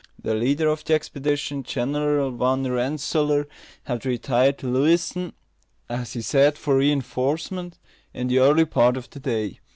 The leader of the expedition, General Van Rensselaer, had retired to Lewiston as he said, for reinforcements in the early part of the day.